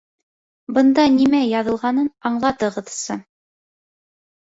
Бында нимә язылғанын аңлатығыҙсы.